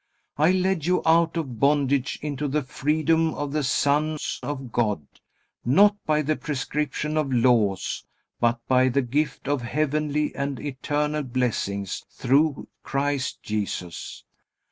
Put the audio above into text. I led you out of bondage into the freedom of the sons of God, not by the prescription of laws, but by the gift of heavenly and eternal blessings through Christ Jesus.